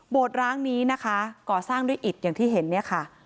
ร้างนี้นะคะก่อสร้างด้วยอิตอย่างที่เห็นเนี่ยค่ะ